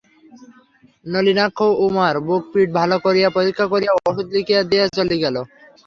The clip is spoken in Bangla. নলিনাক্ষ উমার বুক-পিঠ ভালো করিয়া পরীক্ষা করিয়া ওষুধ লিখিয়া দিয়া চলিয়া গেল।